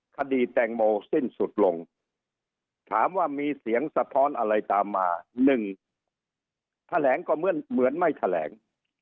คดีแตงโมสิ้นสุดลงถามว่ามีเสียงสะท้อนอะไรตามมา๑แถลงก็เหมือนไม่แถลง